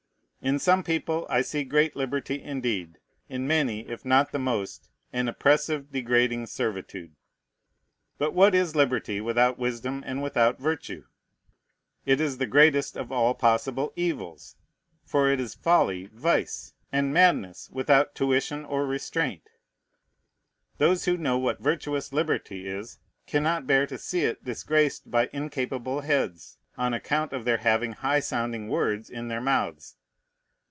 In some people I see great liberty, indeed; in many, if not in the most, an oppressive, degrading servitude. But what is liberty without wisdom and without virtue? It is the greatest of all possible evils; for it is folly, vice, and madness, without tuition or restraint. Those who know what virtuous liberty is cannot bear to see it disgraced by incapable heads, on account of their having high sounding words in their mouths.